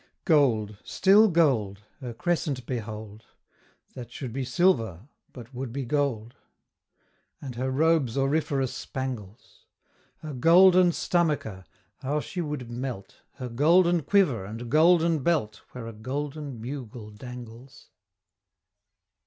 Gold! still gold; her Crescent behold, That should be silver, but would be gold; And her robe's auriferous spangles! Her golden stomacher how she would melt! Her golden quiver, and golden belt, Where a golden bugle dangles!